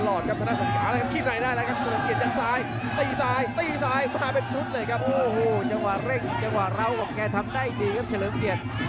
โอ้โหจังหวะเร่งจังหวะร้าวของแกทำได้ดีครับเฉลิมเกียจ